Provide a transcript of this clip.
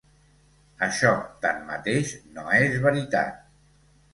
Això, tanmateix, no és veritat.